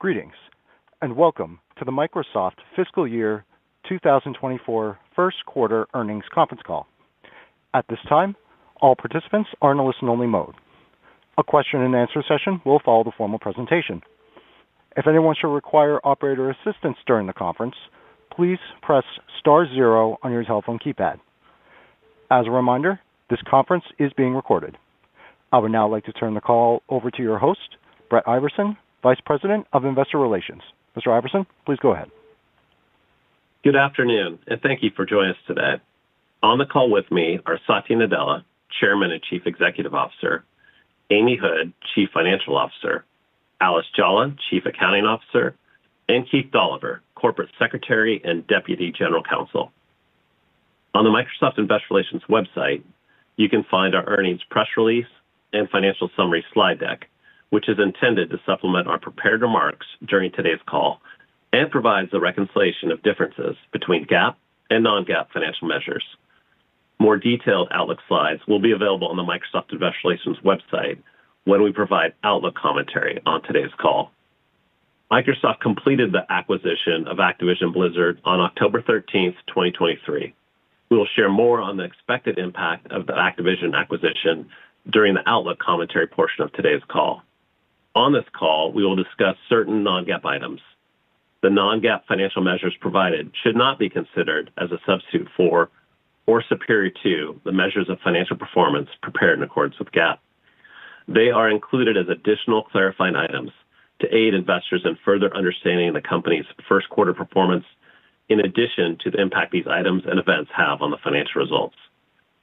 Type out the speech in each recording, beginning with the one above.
Greetings, and welcome to the Microsoft Fiscal Year 2024 First Quarter Earnings Conference Call. At this time, all participants are in a listen-only mode. A question and answer session will follow the formal presentation. If anyone should require operator assistance during the conference, please press star zero on your telephone keypad. As a reminder, this conference is being recorded. I would now like to turn the call over to your host, Brett Iversen, Vice President of Investor Relations. Mr. Iversen, please go ahead. Good afternoon, and thank you for joining us today. On the call with me are Satya Nadella, Chairman and Chief Executive Officer, Amy Hood, Chief Financial Officer, Alice Jolla, Chief Accounting Officer, and Keith Dolliver, Corporate Secretary and Deputy General Counsel. On the Microsoft Investor Relations website, you can find our earnings press release and financial summary slide deck, which is intended to supplement our prepared remarks during today's call and provides a reconciliation of differences between GAAP and non-GAAP financial measures. More detailed outlook slides will be available on the Microsoft Investor Relations website when we provide outlook commentary on today's call. Microsoft completed the acquisition of Activision Blizzard on October 13th, 2023. We will share more on the expected impact of the Activision acquisition during the outlook commentary portion of today's call. On this call, we will discuss certain non-GAAP items. The non-GAAP financial measures provided should not be considered as a substitute for or superior to the measures of financial performance prepared in accordance with GAAP. They are included as additional clarifying items to aid investors in further understanding the company's first quarter performance, in addition to the impact these items and events have on the financial results.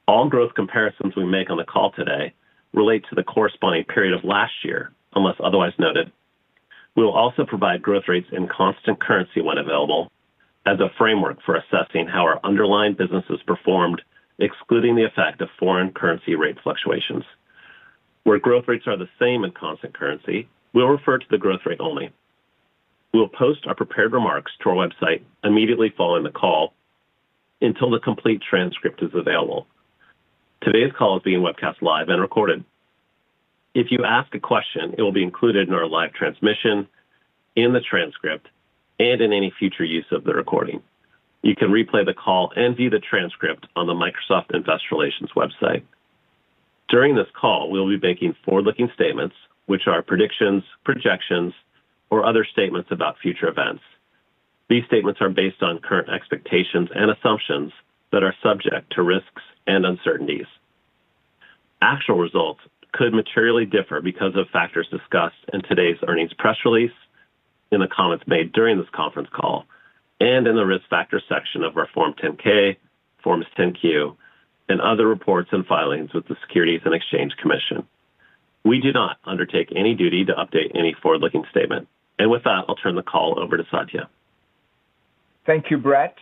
All growth comparisons we make on the call today relate to the corresponding period of last year, unless otherwise noted. We will also provide growth rates in constant currency when available, as a framework for assessing how our underlying businesses performed, excluding the effect of foreign currency rate fluctuations. Where growth rates are the same in constant currency, we'll refer to the growth rate only. We will post our prepared remarks to our website immediately following the call until the complete transcript is available. Today's call is being webcast live and recorded. If you ask a question, it will be included in our live transmission, in the transcript, and in any future use of the recording. You can replay the call and view the transcript on the Microsoft Investor Relations website. During this call, we will be making forward-looking statements, which are predictions, projections, or other statements about future events. These statements are based on current expectations and assumptions that are subject to risks and uncertainties. Actual results could materially differ because of factors discussed in today's earnings press release, in the comments made during this conference call, and in the risk factors section of our Form 10-K, Forms 10-Q, and other reports and filings with the Securities and Exchange Commission. We do not undertake any duty to update any forward-looking statement. With that, I'll turn the call over to Satya. Thank you, Brett.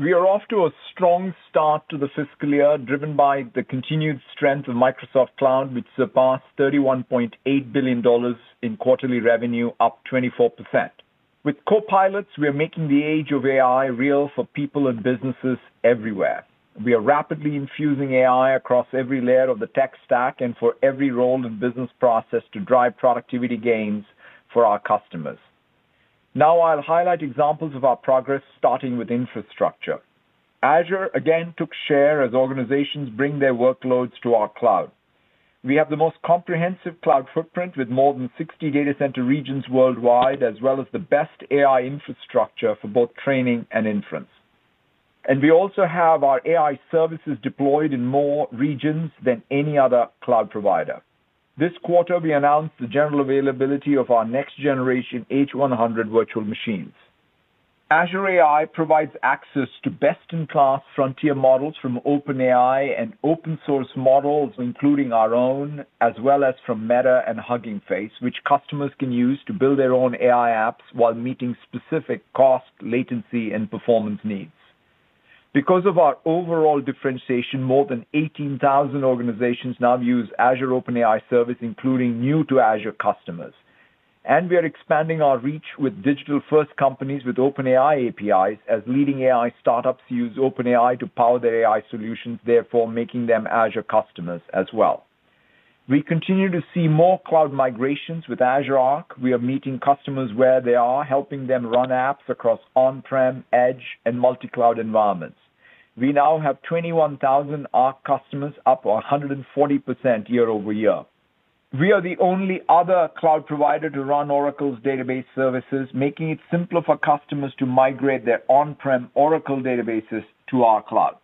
We are off to a strong start to the fiscal year, driven by the continued strength of Microsoft Cloud, which surpassed $31.8 billion in quarterly revenue, up 24%. With Copilots, we are making the age of AI real for people and businesses everywhere. We are rapidly infusing AI across every layer of the tech stack and for every role and business process to drive productivity gains for our customers. Now I'll highlight examples of our progress, starting with infrastructure. Azure again took share as organizations bring their workloads to our cloud. We have the most comprehensive cloud footprint, with more than 60 data center regions worldwide, as well as the best AI infrastructure for both training and inference. And we also have our AI services deployed in more regions than any other cloud provider. This quarter, we announced the general availability of our next generation H100 virtual machines. Azure AI provides access to best-in-class frontier models from OpenAI and open source models, including our own, as well as from Meta and Hugging Face, which customers can use to build their own AI apps while meeting specific cost, latency, and performance needs. Because of our overall differentiation, more than 18,000 organizations now use Azure OpenAI Service, including new to Azure customers. We are expanding our reach with digital-first companies with OpenAI APIs as leading AI startups use OpenAI to power their AI solutions, therefore making them Azure customers as well. We continue to see more cloud migrations with Azure Arc. We are meeting customers where they are, helping them run apps across on-prem, edge, and multi-cloud environments. We now have 21,000 Arc customers, up 140% year-over-year. We are the only other cloud provider to run Oracle's database services, making it simpler for customers to migrate their on-prem Oracle databases to our cloud.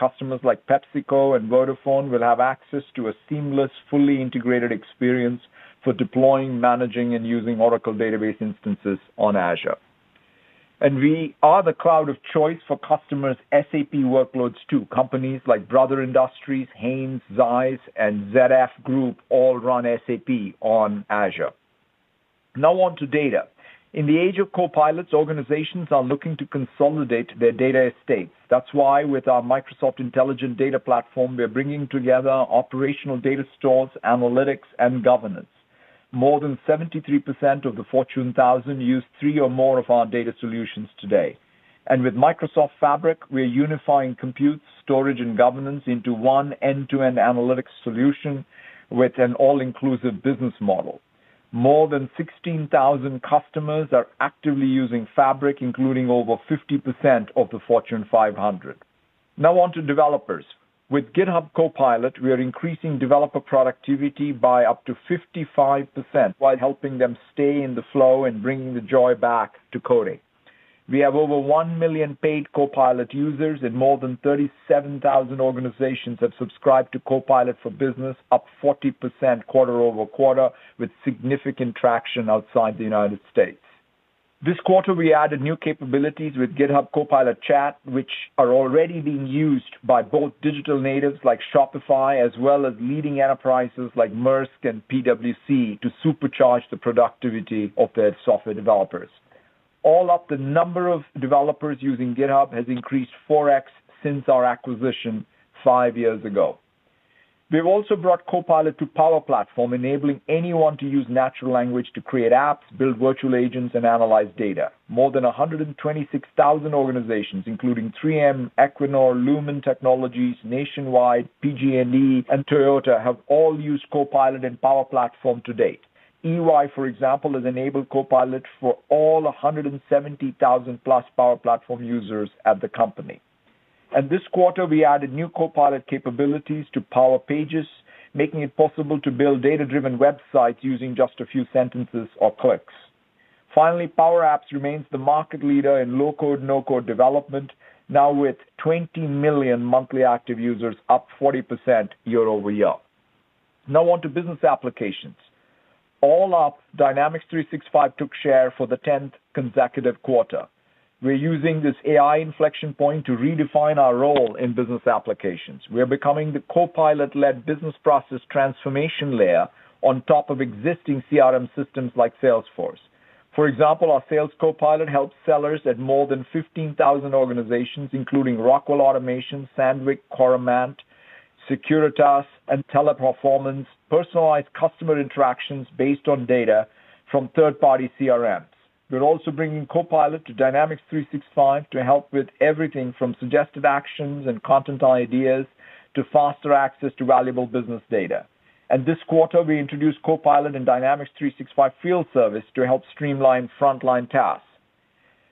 Customers like PepsiCo and Vodafone will have access to a seamless, fully integrated experience for deploying, managing, and using Oracle database instances on Azure. We are the cloud of choice for customers' SAP workloads too. Companies like Brother Industries, Hanes, ZEISS, and ZF Group all run SAP on Azure. Now on to data. In the age of Copilots, organizations are looking to consolidate their data estates. That's why with our Microsoft Intelligent Data Platform, we are bringing together operational data stores, analytics, and governance. More than 73% of the Fortune 1,000 use three or more of our data solutions today. With Microsoft Fabric, we're unifying compute, storage, and governance into one end-to-end analytics solution with an all-inclusive business model. More than 16,000 customers are actively using Fabric, including over 50% of the Fortune 500. Now on to developers. With GitHub Copilot, we are increasing developer productivity by up to 55%, while helping them stay in the flow and bringing the joy back to coding. We have over 1 million paid Copilot users and more than 37,000 organizations have subscribed to Copilot for Business, up 40% quarter-over-quarter, with significant traction outside the United States. This quarter, we added new capabilities with GitHub Copilot Chat, which are already being used by both digital natives like Shopify, as well as leading enterprises like Maersk and PwC to supercharge the productivity of their software developers. All up, the number of developers using GitHub has increased 4x since our acquisition five years ago. We've also brought Copilot to Power Platform, enabling anyone to use natural language to create apps, build virtual agents, and analyze data. More than 126,000 organizations, including 3M, Equinor, Lumen Technologies, Nationwide, PG&E, and Toyota, have all used Copilot and Power Platform to date. EY, for example, has enabled Copilot for all 170,000+ Power Platform users at the company. And this quarter, we added new Copilot capabilities to Power Pages, making it possible to build data-driven websites using just a few sentences or clicks. Finally, Power Apps remains the market leader in low-code, no-code development, now with 20 million monthly active users, up 40% year-over-year. Now on to business applications. All up, Dynamics 365 took share for the tenth consecutive quarter. We're using this AI inflection point to redefine our role in business applications. We are becoming the Copilot-led business process transformation layer on top of existing CRM systems like Salesforce. For example, our Sales Copilot helps sellers at more than 15,000 organizations, including Rockwell Automation, Sandvik Coromant, Securitas, and Teleperformance, personalize customer interactions based on data from third-party CRMs. We're also bringing Copilot to Dynamics 365 to help with everything from suggestive actions and content ideas to faster access to valuable business data. And this quarter, we introduced Copilot in Dynamics 365 Field Service to help streamline frontline tasks.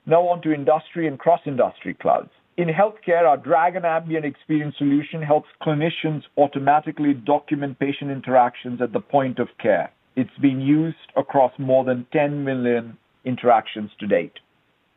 Now on to industry and cross-industry clouds. In healthcare, our Dragon Ambient eXperience solution helps clinicians automatically document patient interactions at the point of care. It's been used across more than 10 million interactions to date.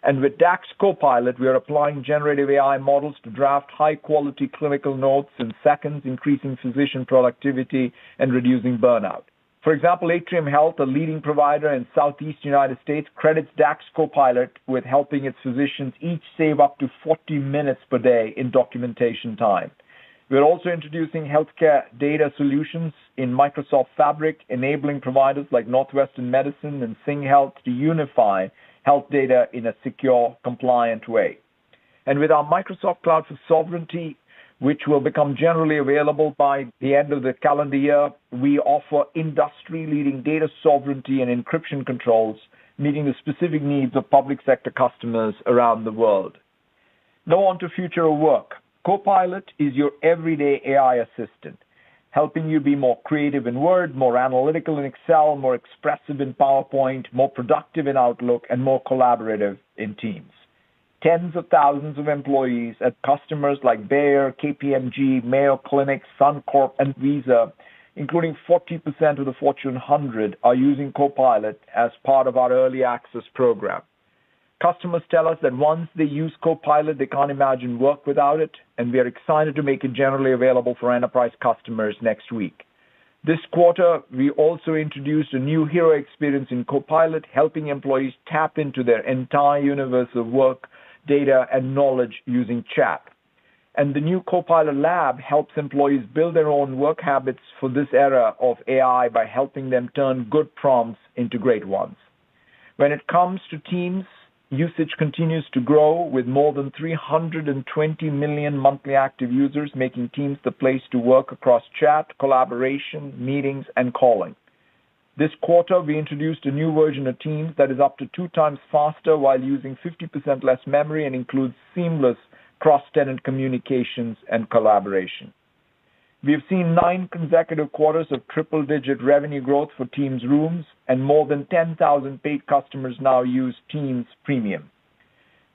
With DAX Copilot, we are applying generative AI models to draft high-quality clinical notes in seconds, increasing physician productivity and reducing burnout. For example, Atrium Health, a leading provider in Southeast United States, credits DAX Copilot with helping its physicians each save up to 40 minutes per day in documentation time. We are also introducing healthcare data solutions in Microsoft Fabric, enabling providers like Northwestern Medicine and SingHealth to unify health data in a secure, compliant way. With our Microsoft Cloud for Sovereignty, which will become generally available by the end of the calendar year, we offer industry-leading data sovereignty and encryption controls, meeting the specific needs of public sector customers around the world. Now on to future of work. Copilot is your everyday AI assistant, helping you be more creative in Word, more analytical in Excel, more expressive in PowerPoint, more productive in Outlook, and more collaborative in Teams. Tens of thousands of employees at customers like Bayer, KPMG, Mayo Clinic, Suncorp, and Visa, including 40% of the Fortune 100, are using Copilot as part of our early access program. Customers tell us that once they use Copilot, they can't imagine work without it, and we are excited to make it generally available for enterprise customers next week. This quarter, we also introduced a new hero experience in Copilot, helping employees tap into their entire universe of work, data, and knowledge using chat. The new Copilot Lab helps employees build their own work habits for this era of AI by helping them turn good prompts into great ones. When it comes to Teams, usage continues to grow, with more than 320 million monthly active users, making Teams the place to work across chat, collaboration, meetings, and calling. This quarter, we introduced a new version of Teams that is up to two times faster while using 50% less memory and includes seamless cross-tenant communications and collaboration. We have seen nine consecutive quarters of triple-digit revenue growth for Teams Rooms, and more than 10,000 paid customers now use Teams Premium.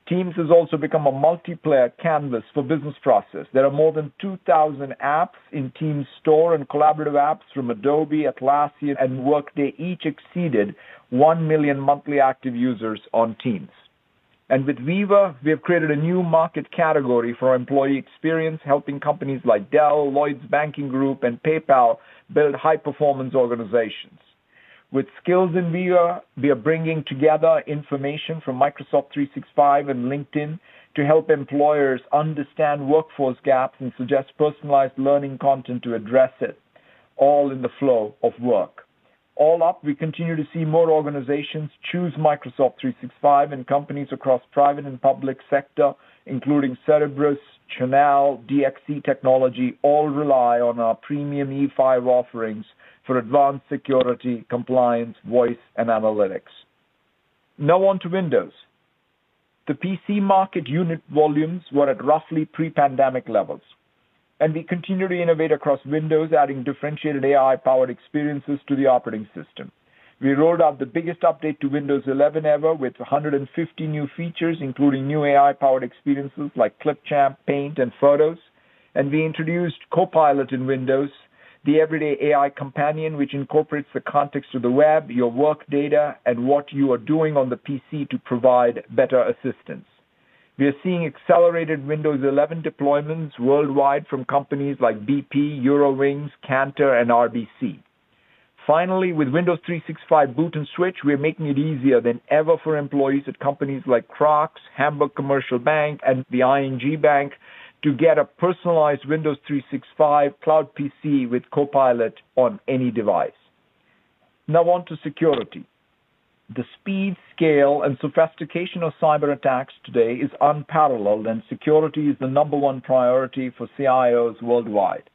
Teams has also become a multiplayer canvas for business process. There are more than 2,000 apps in Teams Store and collaborative apps from Adobe, Atlassian, and Workday each exceeded 1 million monthly active users on Teams. With Viva, we have created a new market category for employee experience, helping companies like Dell, Lloyds Banking Group, and PayPal build high-performance organizations. With Skills in Viva, we are bringing together information from Microsoft 365 and LinkedIn to help employers understand workforce gaps and suggest personalized learning content to address it, all in the flow of work. All up, we continue to see more organizations choose Microsoft 365, and companies across private and public sector, including Cerberus, Chanel, DXC Technology, all rely on our premium E5 offerings for advanced security, compliance, voice, and analytics. Now on to Windows. The PC market unit volumes were at roughly pre-pandemic levels, and we continue to innovate across Windows, adding differentiated AI-powered experiences to the operating system. We rolled out the biggest update to Windows 11 ever, with 150 new features, including new AI-powered experiences like Clipchamp, Paint, and Photos. We introduced Copilot in Windows, the everyday AI companion, which incorporates the context of the web, your work data, and what you are doing on the PC to provide better assistance. We are seeing accelerated Windows 11 deployments worldwide from companies like BP, Eurowings, Cantor, and RBC. Finally, with Windows 365 Boot and Switch, we are making it easier than ever for employees at companies like Crocs, Hamburg Commercial Bank, and the ING Bank to get a personalized Windows 365 Cloud PC with Copilot on any device. Now on to security. The speed, scale, and sophistication of cyberattacks today is unparalleled, and security is the number one priority for CIOs worldwide.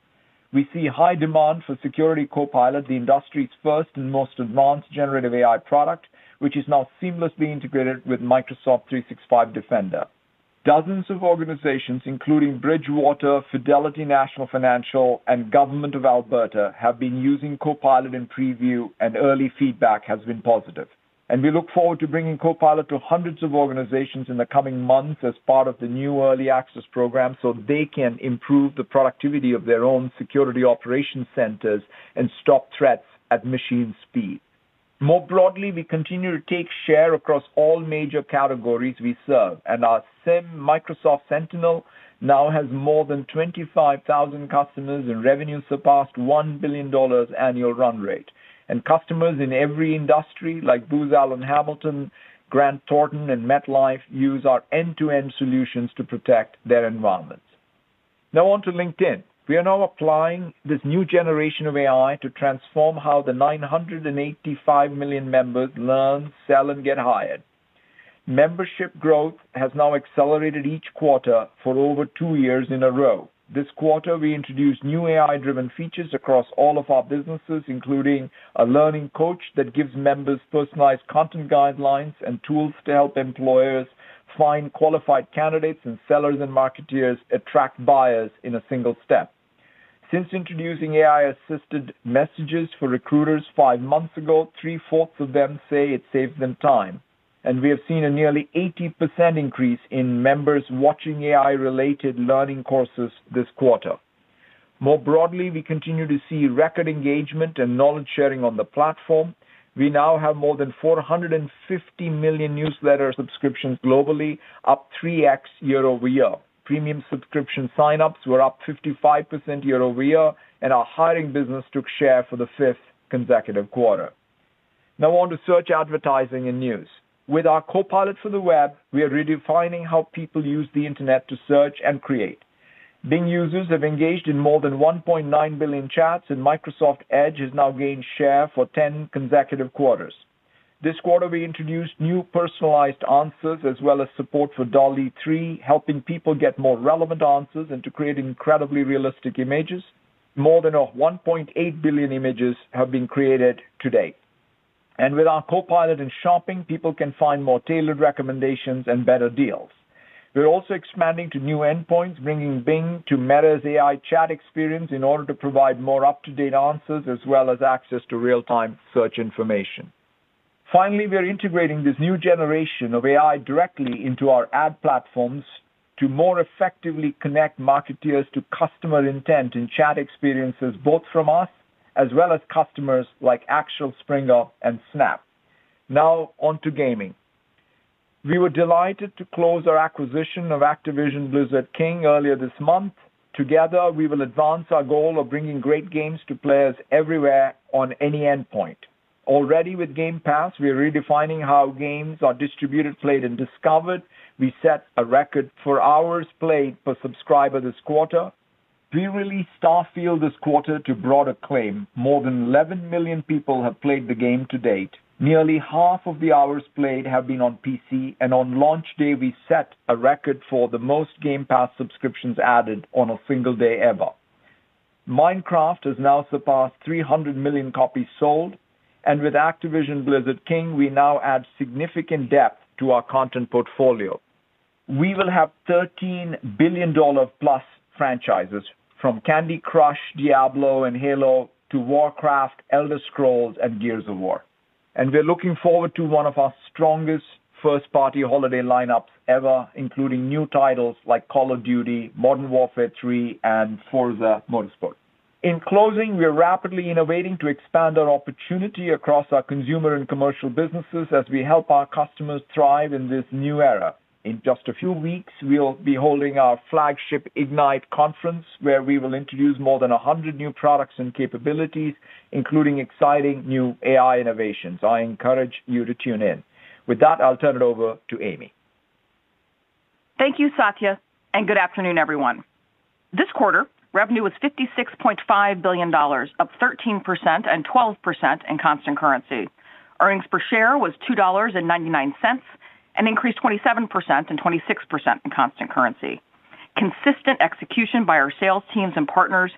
We see high demand for Security Copilot, the industry's first and most advanced generative AI product, which is now seamlessly integrated with Microsoft 365 Defender. Dozens of organizations, including Bridgewater, Fidelity National Financial, and Government of Alberta, have been using Copilot in preview, and early feedback has been positive. We look forward to bringing Copilot to hundreds of organizations in the coming months as part of the new early access program, so they can improve the productivity of their own security operation centers and stop threats at machine speed. More broadly, we continue to take share across all major categories we serve, and our SIEM, Microsoft Sentinel, now has more than 25,000 customers, and revenue surpassed $1 billion annual run rate. Customers in every industry, like Booz Allen Hamilton, Grant Thornton, and MetLife, use our end-to-end solutions to protect their environments. Now on to LinkedIn. We are now applying this new generation of AI to transform how the 985 million members learn, sell, and get hired. Membership growth has now accelerated each quarter for over two years in a row. This quarter, we introduced new AI-driven features across all of our businesses, including a learning coach that gives members personalized content guidelines and tools to help employers find qualified candidates and sellers and marketeers attract buyers in a single step. Since introducing AI-assisted messages for recruiters five months ago, 3/4 of them say it saves them time, and we have seen a nearly 80% increase in members watching AI-related learning courses this quarter. More broadly, we continue to see record engagement and knowledge-sharing on the platform. We now have more than 450 million newsletter subscriptions globally, up 3x year-over-year. Premium subscription sign-ups were up 55% year-over-year, and our hiring business took share for the fifth consecutive quarter. Now on to search, advertising, and news. With our Copilot for the web, we are redefining how people use the internet to search and create. Bing users have engaged in more than 1.9 billion chats, and Microsoft Edge has now gained share for 10 consecutive quarters. This quarter, we introduced new personalized answers, as well as support for DALL-E 3, helping people get more relevant answers and to create incredibly realistic images. More than 1.8 billion images have been created to date. With our Copilot in Shopping, people can find more tailored recommendations and better deals. We're also expanding to new endpoints, bringing Bing to Meta's AI chat experience in order to provide more up-to-date answers, as well as access to real-time search information. Finally, we are integrating this new generation of AI directly into our ad platforms to more effectively connect marketeers to customer intent and chat experiences, both from us as well as customers like Axel Springer and Snap. Now on to gaming. We were delighted to close our acquisition of Activision Blizzard King earlier this month. Together, we will advance our goal of bringing great games to players everywhere on any endpoint. Already with Game Pass, we are redefining how games are distributed, played, and discovered. We set a record for hours played per subscriber this quarter. We released Starfield this quarter to broad acclaim. More than 11 million people have played the game to date. Nearly half of the hours played have been on PC, and on launch day, we set a record for the most Game Pass subscriptions added on a single day ever. Minecraft has now surpassed 300 million copies sold, and with Activision Blizzard King, we now add significant depth to our content portfolio. We will have 13 billion-dollar-plus franchises, from Candy Crush, Diablo, and Halo to Warcraft, Elder Scrolls, and Gears of War. We're looking forward to one of our strongest first-party holiday lineups ever, including new titles like Call of Duty: Modern Warfare III and Forza Motorsport. In closing, we are rapidly innovating to expand our opportunity across our consumer and commercial businesses as we help our customers thrive in this new era. In just a few weeks, we'll be holding our flagship Ignite conference, where we will introduce more than 100 new products and capabilities, including exciting new AI innovations. I encourage you to tune in. With that, I'll turn it over to Amy. Thank you, Satya, and good afternoon, everyone. This quarter, revenue was $56.5 billion, up 13% and 12% in constant currency. Earnings per share was $2.99, an increase of 27% and 26% in constant currency. Consistent execution by our sales teams and partners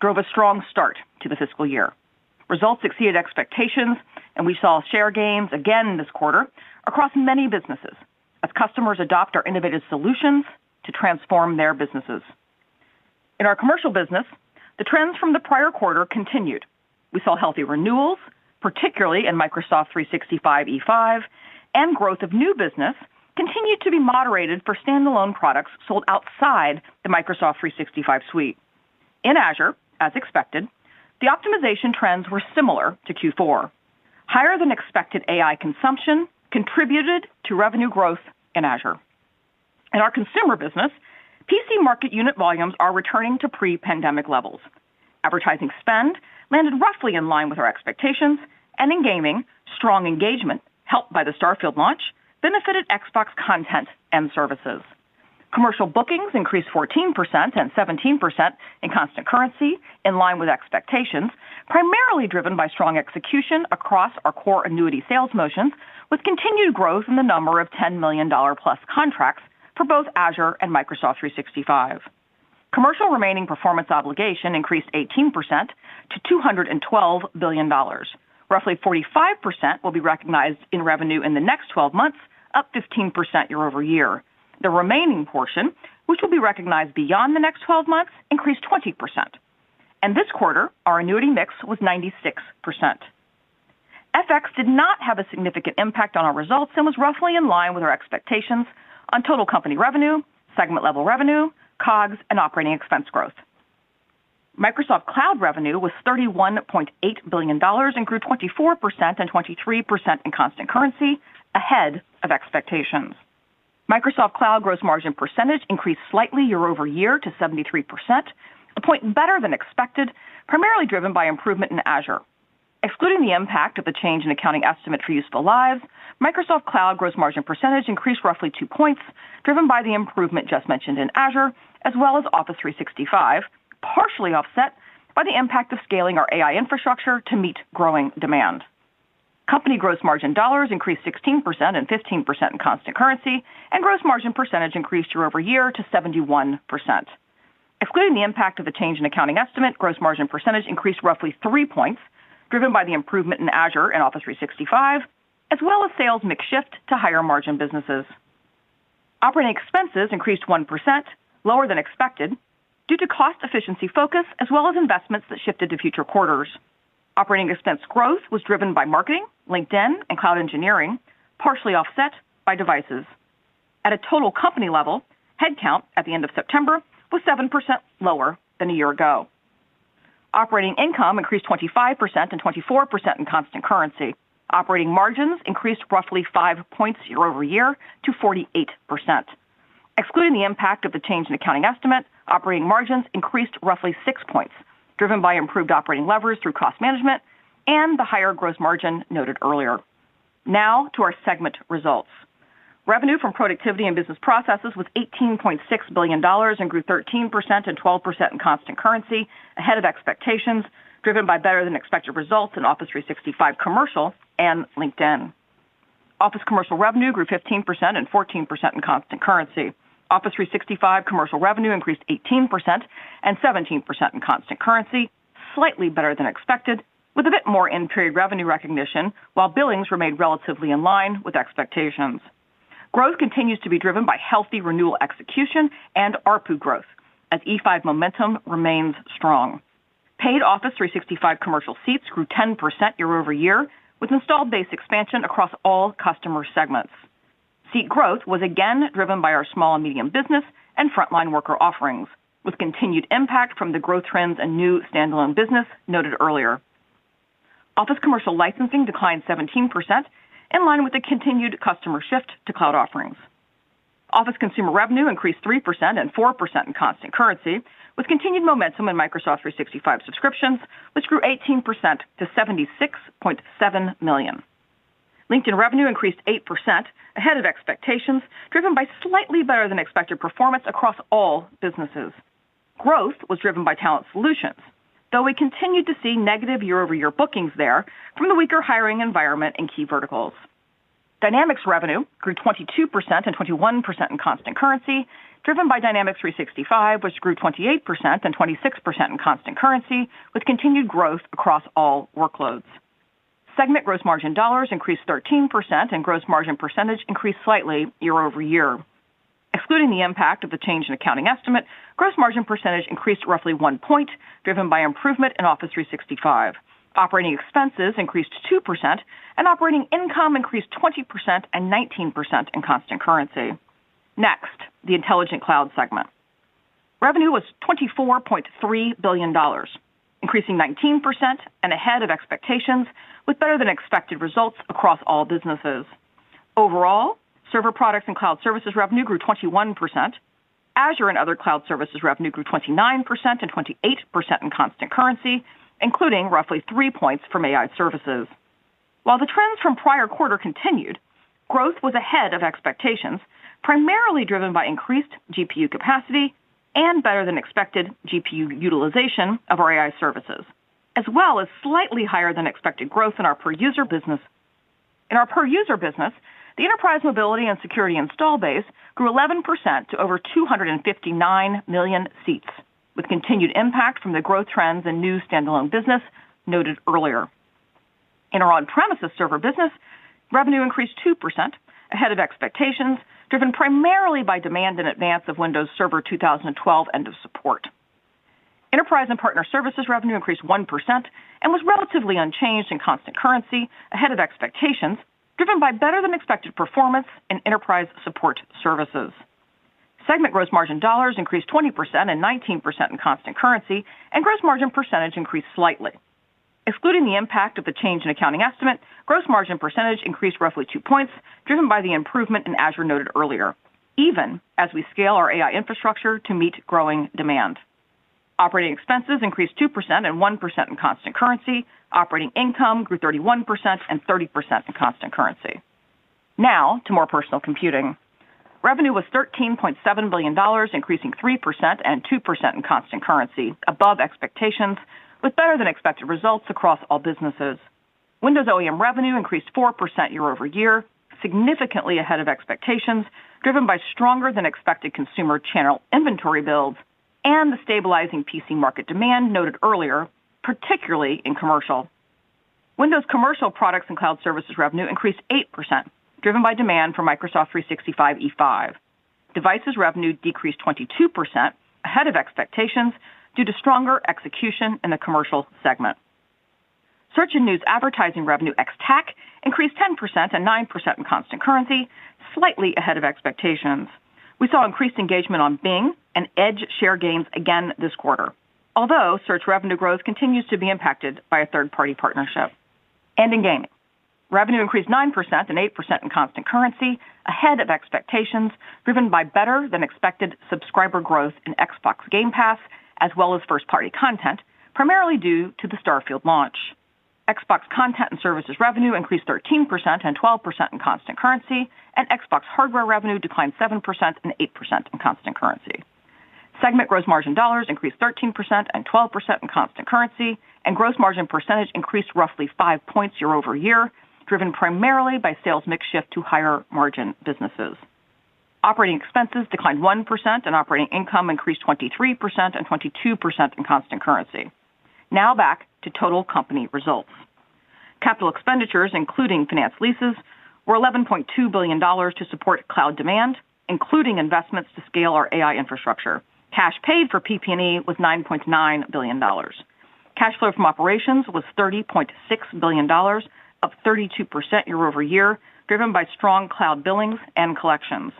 drove a strong start to the fiscal year. Results exceeded expectations, and we saw share gains again this quarter across many businesses as customers adopt our innovative solutions to transform their businesses. In our commercial business, the trends from the prior quarter continued. We saw healthy renewals, particularly in Microsoft 365 E5, and growth of new business continued to be moderated for standalone products sold outside the Microsoft 365 suite. In Azure, as expected, the optimization trends were similar to Q4. Higher than expected AI consumption contributed to revenue growth in Azure. In our consumer business, PC market unit volumes are returning to pre-pandemic levels. Advertising spend landed roughly in line with our expectations, and in gaming, strong engagement, helped by the Starfield launch, benefited Xbox content and services. Commercial bookings increased 14% and 17% in constant currency, in line with expectations, primarily driven by strong execution across our core annuity sales motions, with continued growth in the number of $10 million+ contracts for both Azure and Microsoft 365. Commercial remaining performance obligation increased 18% to $212 billion. Roughly 45% will be recognized in revenue in the next twelve months, up 15% year-over-year. The remaining portion, which will be recognized beyond the next twelve months, increased 20%. This quarter, our annuity mix was 96%. FX did not have a significant impact on our results and was roughly in line with our expectations on total company revenue, segment level revenue, COGS, and operating expense growth. Microsoft Cloud revenue was $31.8 billion and grew 24% and 23% in constant currency, ahead of expectations. Microsoft Cloud gross margin percentage increased slightly year-over-year to 73%, a point better than expected, primarily driven by improvement in Azure. Excluding the impact of the change in accounting estimate for useful lives, Microsoft Cloud gross margin percentage increased roughly 2 points, driven by the improvement just mentioned in Azure, as well as Office 365, partially offset by the impact of scaling our AI infrastructure to meet growing demand. Company gross margin dollars increased 16% and 15% in constant currency, and gross margin percentage increased year-over-year to 71%. Excluding the impact of the change in accounting estimate, gross margin percentage increased roughly 3 points, driven by the improvement in Azure and Office 365, as well as sales mix shift to higher margin businesses. Operating expenses increased 1%, lower than expected, due to cost efficiency focus, as well as investments that shifted to future quarters. Operating expense growth was driven by marketing, LinkedIn, and cloud engineering, partially offset by devices. At a total company level, headcount at the end of September was 7% lower than a year ago. Operating income increased 25% and 24% in constant currency. Operating margins increased roughly 5 points year-over-year to 48%. Excluding the impact of the change in accounting estimate, operating margins increased roughly 6 points, driven by improved operating leverage through cost management and the higher gross margin noted earlier. Now to our segment results. Revenue from productivity and business processes was $18.6 billion and grew 13% and 12% in constant currency, ahead of expectations, driven by better than expected results in Office 365 Commercial and LinkedIn. Office Commercial revenue grew 15% and 14% in constant currency. Office 365 commercial revenue increased 18% and 17% in constant currency, slightly better than expected, with a bit more in-period revenue recognition, while billings remained relatively in line with expectations. Growth continues to be driven by healthy renewal execution and ARPU growth, as E5 momentum remains strong. Paid Office 365 commercial seats grew 10% year-over-year, with installed base expansion across all customer segments. Seat growth was again driven by our small and medium business and frontline worker offerings, with continued impact from the growth trends and new standalone business noted earlier. Office Commercial licensing declined 17%, in line with the continued customer shift to cloud offerings. Office consumer revenue increased 3% and 4% in constant currency, with continued momentum in Microsoft 365 subscriptions, which grew 18% to 76.7 million. LinkedIn revenue increased 8%, ahead of expectations, driven by slightly better than expected performance across all businesses. Growth was driven by talent solutions, though we continued to see negative year-over-year bookings there from the weaker hiring environment in key verticals. Dynamics revenue grew 22% and 21% in constant currency, driven by Dynamics 365, which grew 28% and 26% in constant currency, with continued growth across all workloads. Segment gross margin dollars increased 13% and gross margin percentage increased slightly year-over-year. Excluding the impact of the change in accounting estimate, gross margin percentage increased roughly 1 point, driven by improvement in Office 365. Operating expenses increased 2% and operating income increased 20% and 19% in constant currency. Next, the Intelligent Cloud segment. Revenue was $24.3 billion, increasing 19% and ahead of expectations, with better than expected results across all businesses. Overall, server products and cloud services revenue grew 21%. Azure and other cloud services revenue grew 29% and 28% in constant currency, including roughly 3 points from AI services. While the trends from prior quarter continued, growth was ahead of expectations, primarily driven by increased GPU capacity and better than expected GPU utilization of our AI services, as well as slightly higher than expected growth in our per-user business. In our per-user business, the Enterprise Mobility + Security install base grew 11% to over 259 million seats, with continued impact from the growth trends in new standalone business noted earlier. In our on-premises server business, revenue increased 2%, ahead of expectations, driven primarily by demand in advance of Windows Server 2012 end of support. Enterprise and partner services revenue increased 1% and was relatively unchanged in constant currency, ahead of expectations, driven by better-than-expected performance in enterprise support services. Segment gross margin dollars increased 20% and 19% in constant currency, and gross margin percentage increased slightly. Excluding the impact of the change in accounting estimate, gross margin percentage increased roughly 2 points, driven by the improvement in Azure noted earlier, even as we scale our AI infrastructure to meet growing demand. Operating expenses increased 2% and 1% in constant currency. Operating income grew 31% and 30% in constant currency. Now to more personal computing. Revenue was $13.7 billion, increasing 3% and 2% in constant currency, above expectations, with better-than-expected results across all businesses. Windows OEM revenue increased 4% year-over-year, significantly ahead of expectations, driven by stronger-than-expected consumer channel inventory builds and the stabilizing PC market demand noted earlier, particularly in commercial. Windows commercial products and cloud services revenue increased 8%, driven by demand for Microsoft 365 E5. Devices revenue decreased 22%, ahead of expectations, due to stronger execution in the commercial segment. Search and news advertising revenue ex-TAC increased 10% and 9% in constant currency, slightly ahead of expectations. We saw increased engagement on Bing and Edge share gains again this quarter, although search revenue growth continues to be impacted by a third-party partnership. In gaming, revenue increased 9% and 8% in constant currency, ahead of expectations, driven by better-than-expected subscriber growth in Xbox Game Pass, as well as first-party content, primarily due to the Starfield launch. Xbox content and services revenue increased 13% and 12% in constant currency, and Xbox hardware revenue declined 7% and 8% in constant currency. Segment gross margin dollars increased 13% and 12% in constant currency, and gross margin percentage increased roughly 5 points year-over-year, driven primarily by sales mix shift to higher-margin businesses. Operating expenses declined 1%, and operating income increased 23% and 22% in constant currency. Now back to total company results. Capital expenditures, including finance leases, were $11.2 billion to support cloud demand, including investments to scale our AI infrastructure. Cash paid for PP&E was $9.9 billion. Cash flow from operations was $30.6 billion, up 32% year-over-year, driven by strong cloud billings and collections.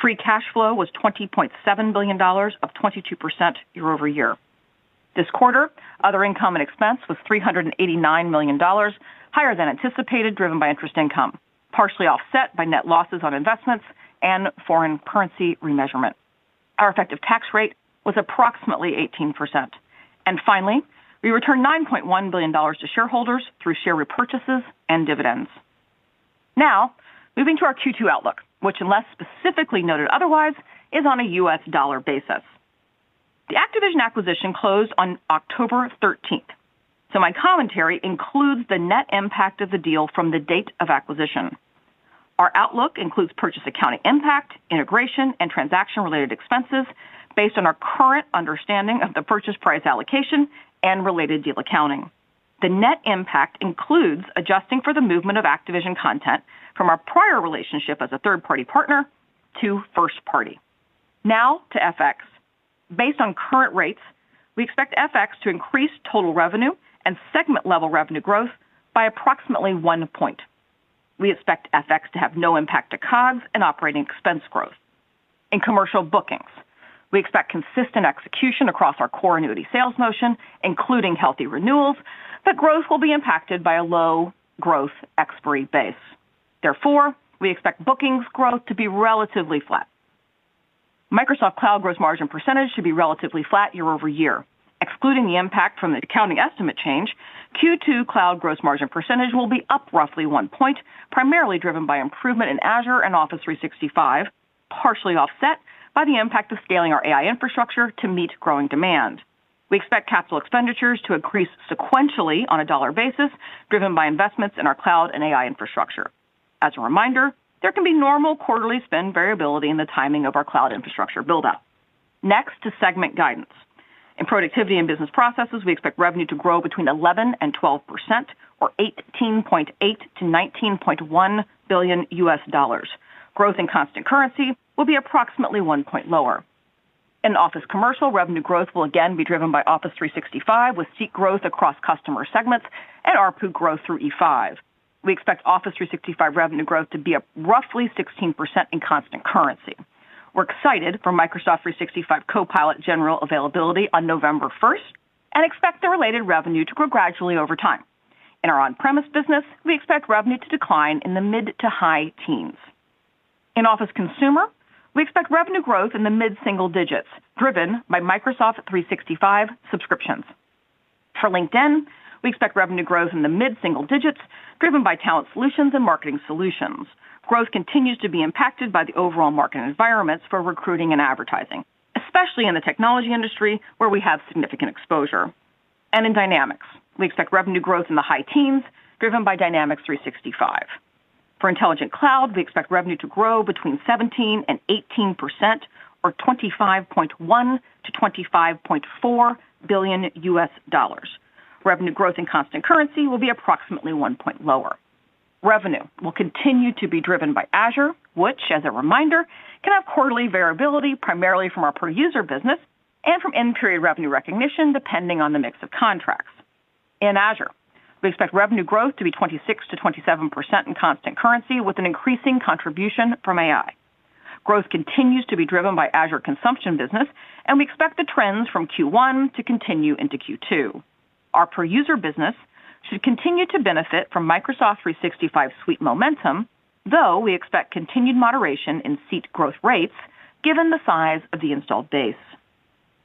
Free cash flow was $20.7 billion, up 22% year-over-year. This quarter, other income and expense was $389 million, higher than anticipated, driven by interest income, partially offset by net losses on investments and foreign currency remeasurement. Our effective tax rate was approximately 18%. And finally, we returned $9.1 billion to shareholders through share repurchases and dividends. Now, moving to our Q2 outlook, which, unless specifically noted otherwise, is on a U.S. dollar basis. The Activision acquisition closed on October thirteenth, so my commentary includes the net impact of the deal from the date of acquisition. Our outlook includes purchase accounting impact, integration, and transaction-related expenses based on our current understanding of the purchase price allocation and related deal accounting. The net impact includes adjusting for the movement of Activision content from our prior relationship as a third-party partner to first party. Now to FX. Based on current rates, we expect FX to increase total revenue and segment-level revenue growth by approximately one point. We expect FX to have no impact to COGS and operating expense growth. In commercial bookings, we expect consistent execution across our core annuity sales motion, including healthy renewals, but growth will be impacted by a low growth expiry base. Therefore, we expect bookings growth to be relatively flat. Microsoft Cloud gross margin percentage should be relatively flat year over year. Excluding the impact from the accounting estimate change, Q2 cloud gross margin percentage will be up roughly 1 point, primarily driven by improvement in Azure and Office 365, partially offset by the impact of scaling our AI infrastructure to meet growing demand. We expect capital expenditures to increase sequentially on a dollar basis, driven by investments in our cloud and AI infrastructure. As a reminder, there can be normal quarterly spend variability in the timing of our cloud infrastructure buildup. Next to segment guidance. In Productivity and Business Processes, we expect revenue to grow between 11% and 12%, or $18.8 billion-$19.1 billion. Growth in constant currency will be approximately 1 point lower. In Office Commercial, revenue growth will again be driven by Office 365, with seat growth across customer segments and ARPU growth through E5. We expect Office 365 revenue growth to be up roughly 16% in constant currency. We're excited for Microsoft 365 Copilot general availability on November first and expect the related revenue to grow gradually over time. In our on-premise business, we expect revenue to decline in the mid- to high teens. In Office Consumer, we expect revenue growth in the mid-single digits, driven by Microsoft 365 subscriptions. For LinkedIn, we expect revenue growth in the mid-single digits, driven by talent solutions and marketing solutions. Growth continues to be impacted by the overall market environments for recruiting and advertising, especially in the technology industry, where we have significant exposure. In Dynamics, we expect revenue growth in the high teens, driven by Dynamics 365. For Intelligent Cloud, we expect revenue to grow between 17% and 18% or $25.1 billion-$25.4 billion. Revenue growth in constant currency will be approximately 1 point lower. Revenue will continue to be driven by Azure, which, as a reminder, can have quarterly variability primarily from our per-user business and from end-period revenue recognition, depending on the mix of contracts. In Azure, we expect revenue growth to be 26%-27% in constant currency, with an increasing contribution from AI. Growth continues to be driven by Azure consumption business, and we expect the trends from Q1 to continue into Q2. Our per-user business should continue to benefit from Microsoft 365 suite momentum, though we expect continued moderation in seat growth rates given the size of the installed base.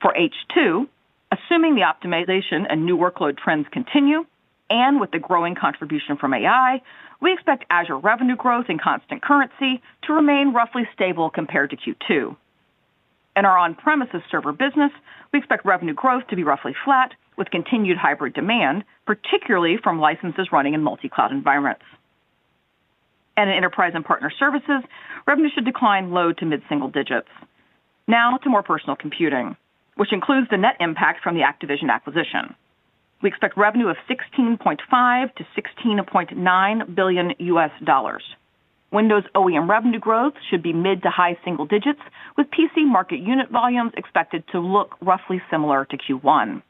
For H2, assuming the optimization and new workload trends continue, and with the growing contribution from AI, we expect Azure revenue growth in constant currency to remain roughly stable compared to Q2. In our on-premises server business, we expect revenue growth to be roughly flat, with continued hybrid demand, particularly from licenses running in multi-cloud environments. In enterprise and partner services, revenue should decline low- to mid-single digits. Now to more personal computing, which includes the net impact from the Activision acquisition. We expect revenue of $16.5 billion-$16.9 billion. Windows OEM revenue growth should be mid- to high single digits, with PC market unit volumes expected to look roughly similar to Q1.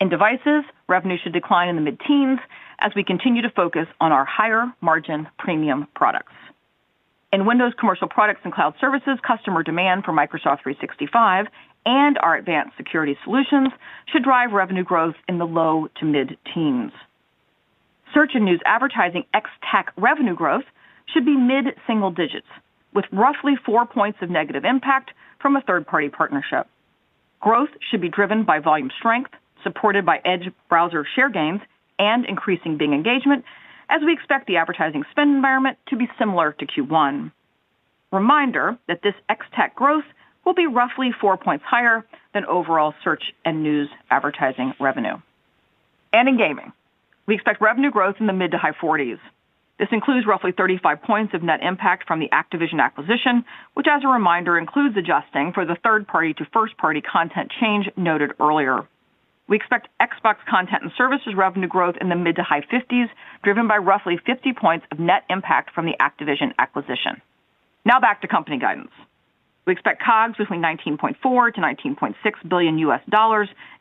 In devices, revenue should decline in the mid-teens as we continue to focus on our higher-margin premium products. In Windows Commercial Products and Cloud Services, customer demand for Microsoft 365 and our advanced security solutions should drive revenue growth in the low- to mid-teens. Search and news advertising ex-TAC revenue growth should be mid-single digits, with roughly 4 points of negative impact from a third-party partnership. Growth should be driven by volume strength, supported by Edge browser share gains and increasing Bing engagement, as we expect the advertising spend environment to be similar to Q1. Reminder that this ex-TAC growth will be roughly 4 points higher than overall search and news advertising revenue. In gaming, we expect revenue growth in the mid- to high 40s. This includes roughly 35 points of net impact from the Activision acquisition, which, as a reminder, includes adjusting for the third-party to first-party content change noted earlier. We expect Xbox content and services revenue growth in the mid- to high-50s, driven by roughly 50 points of net impact from the Activision acquisition. Now back to company guidance. We expect COGS between $19.4 billion-$19.6 billion,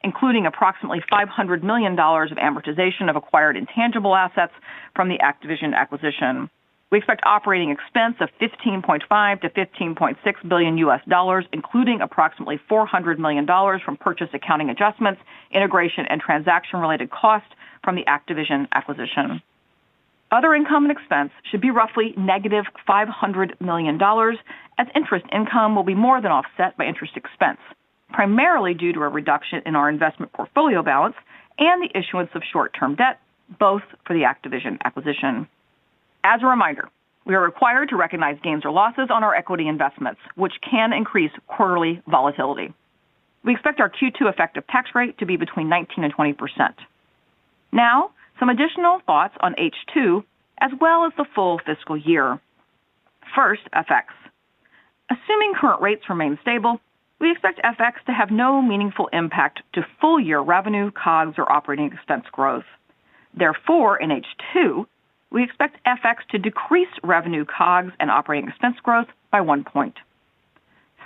including approximately $500 million of amortization of acquired intangible assets from the Activision acquisition. We expect operating expense of $15.5 billion-$15.6 billion, including approximately $400 million from purchase accounting adjustments, integration, and transaction-related costs from the Activision acquisition. Other income and expense should be roughly -$500 million, as interest income will be more than offset by interest expense, primarily due to a reduction in our investment portfolio balance and the issuance of short-term debt, both for the Activision acquisition. As a reminder, we are required to recognize gains or losses on our equity investments, which can increase quarterly volatility. We expect our Q2 effective tax rate to be between 19% and 20%. Now, some additional thoughts on H2 as well as the full fiscal year. First, FX. Assuming current rates remain stable, we expect FX to have no meaningful impact to full-year revenue, COGS or operating expense growth. Therefore, in H2, we expect FX to decrease revenue, COGS, and operating expense growth by one point.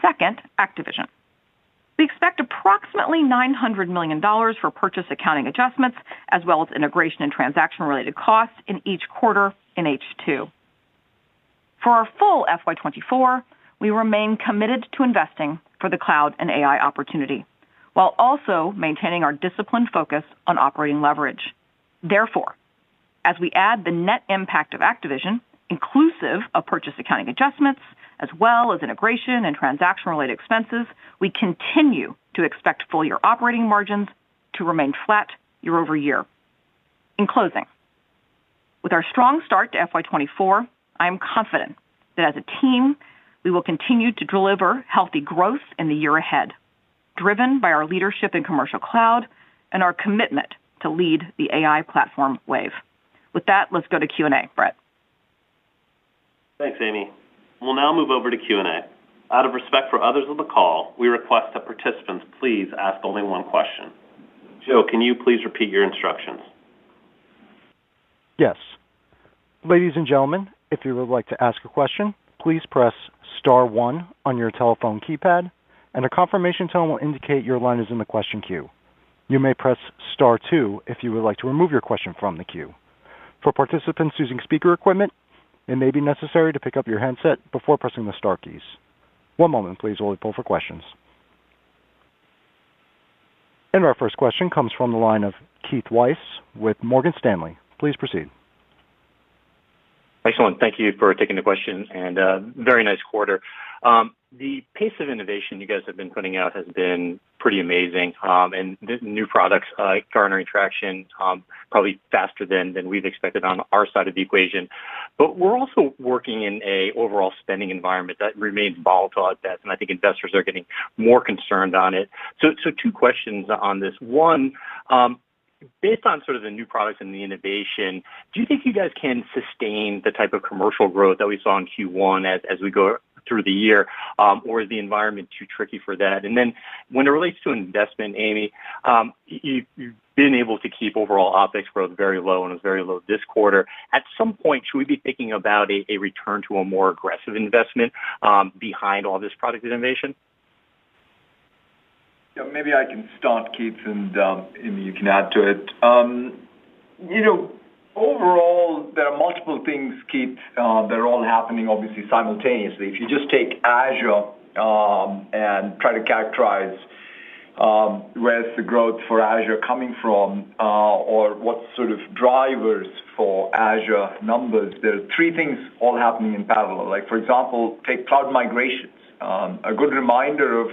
Second, Activision. We expect approximately $900 million for purchase accounting adjustments, as well as integration and transaction-related costs in each quarter in H2. For our full FY 2024, we remain committed to investing for the cloud and AI opportunity, while also maintaining our disciplined focus on operating leverage. Therefore, as we add the net impact of Activision, inclusive of purchase accounting adjustments, as well as integration and transaction-related expenses, we continue to expect full-year operating margins to remain flat year over year. In closing, with our strong start to FY 2024, I am confident that as a team, we will continue to deliver healthy growth in the year ahead, driven by our leadership in commercial cloud and our commitment to lead the AI platform wave. With that, let's go to Q&A. Brett. Thanks, Amy. We'll now move over to Q&A. Out of respect for others on the call, we request that participants please ask only one question. Joe, can you please repeat your instructions? Yes. Ladies and gentlemen, if you would like to ask a question, please press star one on your telephone keypad, and a confirmation tone will indicate your line is in the question queue. You may press star two if you would like to remove your question from the queue. For participants using speaker equipment, it may be necessary to pick up your handset before pressing the star keys. One moment, please, while we pull for questions. Our first question comes from the line of Keith Weiss with Morgan Stanley. Please proceed. Excellent. Thank you for taking the question, and very nice quarter. The pace of innovation you guys have been putting out has been pretty amazing, and the new products, garnering traction, probably faster than we've expected on our side of the equation. But we're also working in an overall spending environment that remains volatile out there, and I think investors are getting more concerned on it. So two questions on this. One, based on sort of the new products and the innovation, do you think you guys can sustain the type of commercial growth that we saw in Q1 as we go through the year, or is the environment too tricky for that? And then when it relates to investment, Amy, you've been able to keep overall OpEx growth very low and it's very low this quarter. At some point, should we be thinking about a return to a more aggressive investment behind all this product innovation? Yeah, maybe I can start, Keith, and, Amy, you can add to it. You know, overall, there are multiple things, Keith, that are all happening obviously simultaneously. If you just take Azure, and try to characterize, where's the growth for Azure coming from, or what sort of drivers for Azure numbers, there are three things all happening in parallel. Like, for example, take cloud migrations. A good reminder of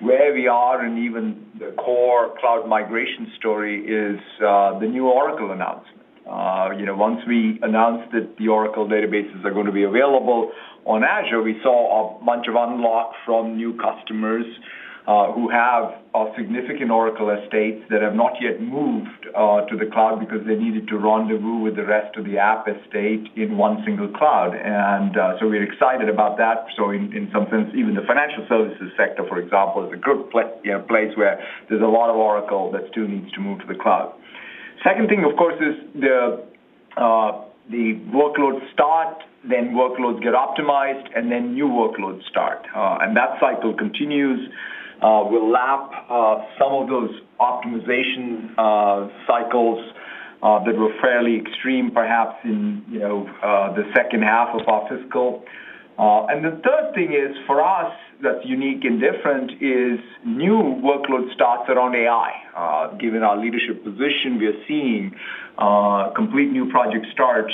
where we are and even the core cloud migration story is, the new Oracle announcement. You know, once we announced that the Oracle databases are going to be available on Azure, we saw a bunch of unlock from new customers, who have a significant Oracle estate that have not yet moved, to the cloud because they needed to rendezvous with the rest of the app estate in one single cloud. So we're excited about that. So in some sense, even the financial services sector, for example, is a good place where there's a lot of Oracle that still needs to move to the cloud. Second thing, of course, is the workloads start, then workloads get optimized, and then new workloads start. And that cycle continues. We'll lap some of those optimization cycles that were fairly extreme, perhaps in, you know, the second half of our fiscal. And the third thing is, for us, that's unique and different is new workload starts are on AI. Given our leadership position, we are seeing complete new project starts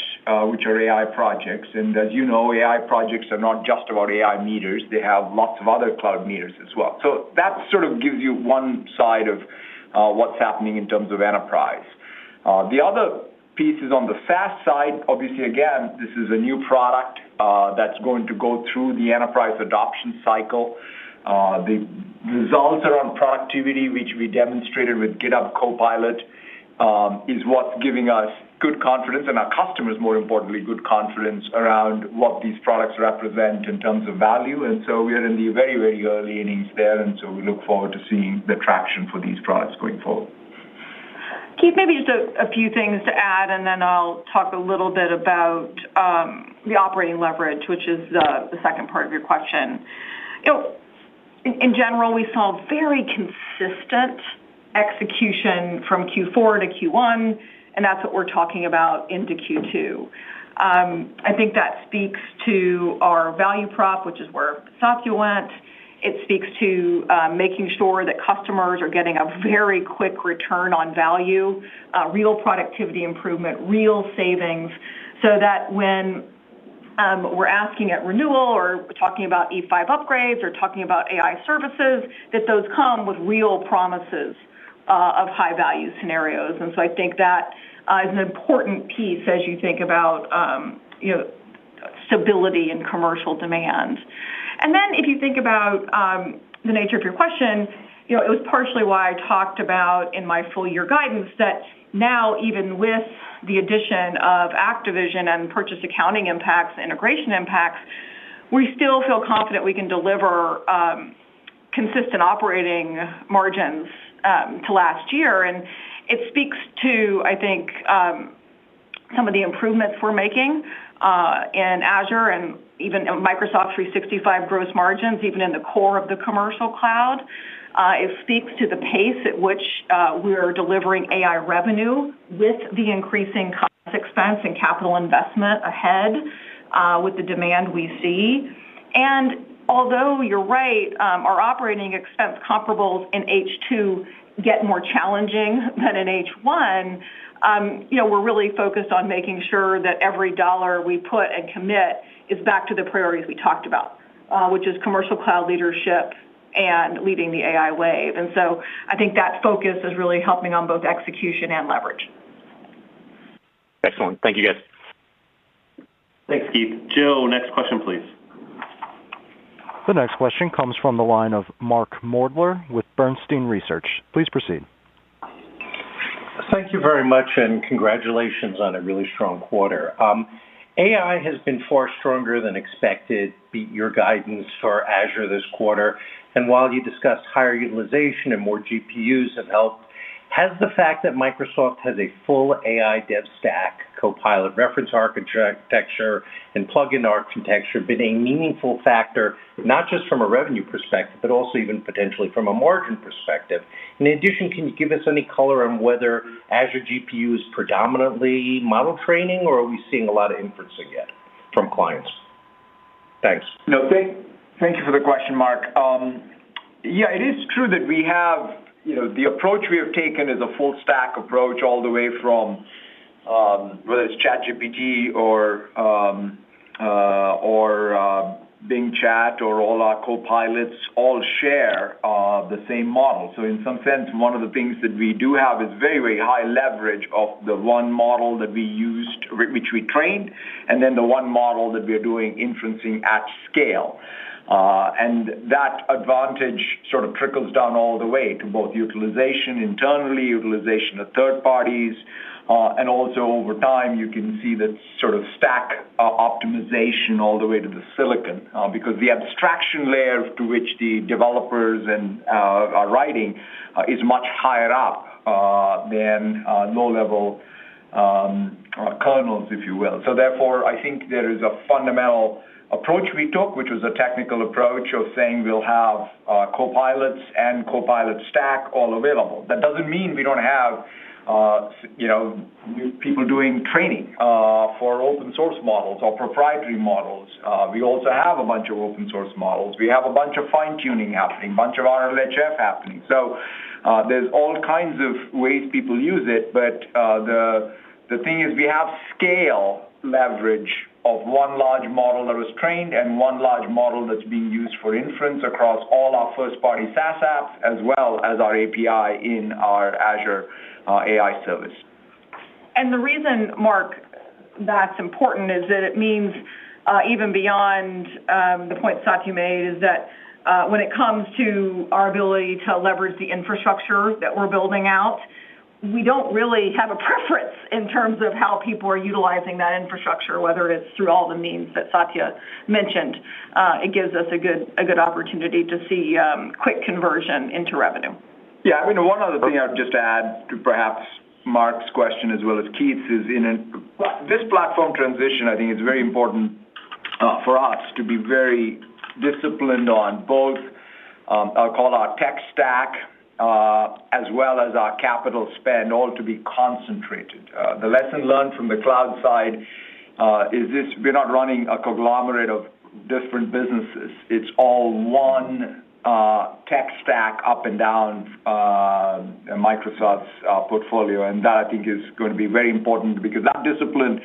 which are AI projects. And as you know, AI projects are not just about AI meters, they have lots of other cloud meters as well. So that sort of gives you one side of what's happening in terms of enterprise. The other piece is on the SaaS side. Obviously, again, this is a new product that's going to go through the enterprise adoption cycle. The results are on productivity, which we demonstrated with GitHub Copilot, is what's giving us good confidence, and our customers, more importantly, good confidence around what these products represent in terms of value. And so we are in the very, very early innings there, and so we look forward to seeing the traction for these products going forward. Keith, maybe just a few things to add, and then I'll talk a little bit about the operating leverage, which is the second part of your question. You know, in general, we saw very consistent execution from Q4 to Q1, and that's what we're talking about into Q2. I think that speaks to our value prop, which is where Satya went. It speaks to making sure that customers are getting a very quick return on value, real productivity improvement, real savings, so that when we're asking at renewal or talking about E5 upgrades or talking about AI services, that those come with real promises of high-value scenarios. And so I think that is an important piece as you think about you know, stability and commercial demand. And then, if you think about the nature of your question, you know, it was partially why I talked about in my full-year guidance that now, even with the addition of Activision and purchase accounting impacts, integration impacts, we still feel confident we can deliver consistent operating margins to last year. And it speaks to, I think, some of the improvements we're making in Azure and even Microsoft 365 gross margins, even in the core of the commercial cloud. It speaks to the pace at which we are delivering AI revenue with the increasing cost, expense, and capital investment ahead, with the demand we see. Although you're right, our operating expense comparables in H2 get more challenging than in H1, you know, we're really focused on making sure that every dollar we put and commit is back to the priorities we talked about, which is commercial cloud leadership and leading the AI wave. So I think that focus is really helping on both execution and leverage. Excellent. Thank you, guys. Thanks, Keith. Joe, next question, please. The next question comes from the line of Mark Moerdler with Bernstein Research. Please proceed. Thank you very much, and congratulations on a really strong quarter. AI has been far stronger than expected, beat your guidance for Azure this quarter, and while you discussed higher utilization and more GPUs have helped, has the fact that Microsoft has a full AI dev stack, Copilot reference architecture and plugin architecture, been a meaningful factor, not just from a revenue perspective, but also even potentially from a margin perspective? And in addition, can you give us any color on whether Azure GPU is predominantly model training, or are we seeing a lot of inference again from clients? Thanks. No, thank you for the question, Mark. It is true that we have... You know, the approach we have taken is a full stack approach, all the way from whether it's ChatGPT or Bing Chat or all our Copilots, all share... of the same model. So in some sense, one of the things that we do have is very, very high leverage of the one model that we used, which we trained, and then the one model that we are doing inferencing at scale. And that advantage sort of trickles down all the way to both utilization internally, utilization of third parties, and also over time, you can see the sort of stack, optimization all the way to the silicon, because the abstraction layer to which the developers and are writing is much higher up than low-level kernels, if you will. So therefore, I think there is a fundamental approach we took, which was a technical approach of saying we'll have Copilots and Copilot stack all available. That doesn't mean we don't have, you know, people doing training for open source models or proprietary models. We also have a bunch of open source models. We have a bunch of fine-tuning happening, a bunch of RLHF happening. So, there's all kinds of ways people use it, but the thing is, we have scale leverage of one large model that was trained and one large model that's being used for inference across all our first-party SaaS apps, as well as our API in our Azure AI service. The reason, Mark, that's important is that it means, even beyond, the point Satya made, is that, when it comes to our ability to leverage the infrastructure that we're building out, we don't really have a preference in terms of how people are utilizing that infrastructure, whether it's through all the means that Satya mentioned. It gives us a good opportunity to see quick conversion into revenue. Yeah, I mean, one other thing I'd just add to perhaps Mark's question, as well as Keith's, is in this platform transition, I think, is very important for us to be very disciplined on both, I'll call it our tech stack, as well as our capital spend, all to be concentrated. The lesson learned from the cloud side is this, we're not running a conglomerate of different businesses. It's all one tech stack up and down Microsoft's portfolio. And that, I think, is going to be very important because that discipline,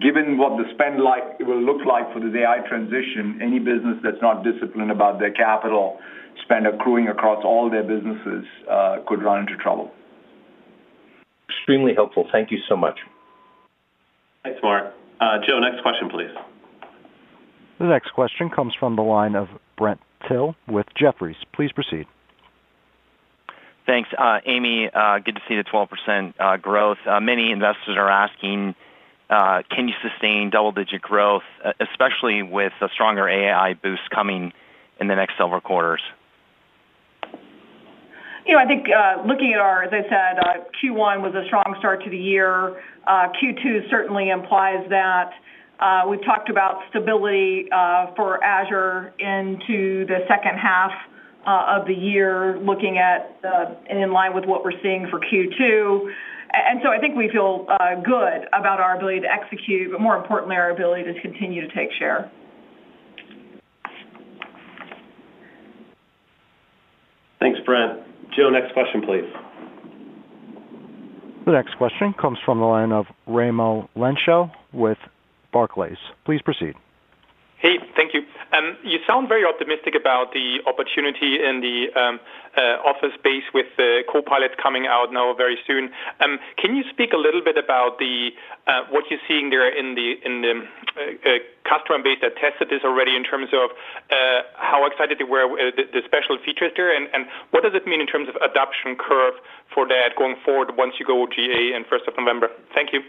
given what the spend will look like for this AI transition, any business that's not disciplined about their capital spend accruing across all their businesses could run into trouble. Extremely helpful. Thank you so much. Thanks, Mark. Joe, next question, please. The next question comes from the line of Brent Thill with Jefferies. Please proceed. Thanks, Amy, good to see the 12% growth. Many investors are asking, can you sustain double-digit growth, especially with a stronger AI boost coming in the next several quarters? You know, I think, looking at our, as I said, Q1 was a strong start to the year. Q2 certainly implies that we've talked about stability for Azure into the second half of the year, looking at the... in line with what we're seeing for Q2. And so I think we feel good about our ability to execute, but more importantly, our ability to continue to take share. Thanks, Brent. Joe, next question, please. The next question comes from the line of Raimo Lenschow with Barclays. Please proceed. Hey, thank you. You sound very optimistic about the opportunity in the office space with the Copilot coming out now very soon. Can you speak a little bit about what you're seeing there in the customer base that tested this already in terms of how excited they were, the special features there, and what does it mean in terms of adoption curve for that going forward once you go GA in first of November? Thank you.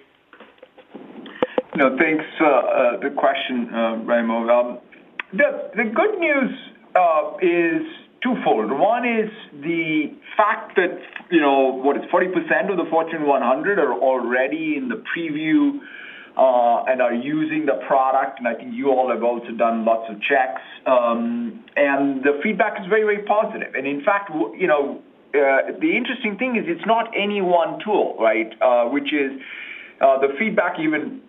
No, thanks, good question, Raimo. Well, the good news is twofold. One is the fact that, you know, it's 40% of the Fortune 100 are already in the preview, and are using the product. And I think you all have also done lots of checks. And the feedback is very, very positive. And in fact, you know, the interesting thing is it's not any one tool, right? Which is, the feedback even,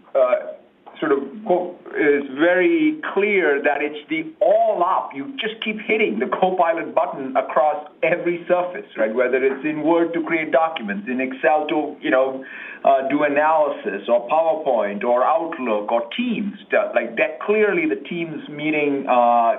sort of quote, is very clear that it's the all-up. You just keep hitting the Copilot button across every surface, right? Whether it's in Word to create documents, in Excel to, you know, do analysis or PowerPoint or Outlook or Teams stuff. Like, that's clearly the Teams meeting,